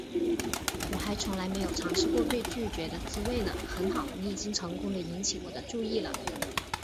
我还从来没有尝试过被拒绝的滋味呢，很好，你已经成功地引起我的注意了